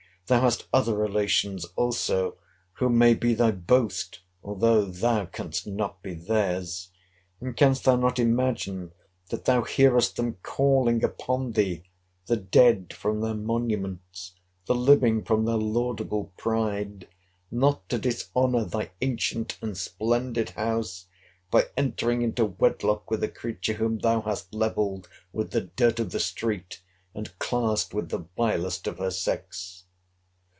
Thou hast other relations also, who may be thy boast, though thou canst not be theirs—and canst thou not imagine, that thou hearest them calling upon thee; the dead from their monuments; the living from their laudable pride; not to dishonour thy ancient and splendid house, by entering into wedlock with a creature whom thou hast levelled with the dirt of the street, and classed with the vilest of her sex?